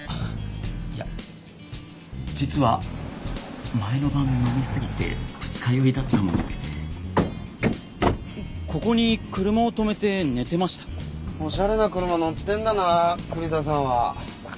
いや実は前の晩飲みすぎて二日酔いだったものでここに車を止めて寝てましたおしゃれな車乗ってんだなー刑事さん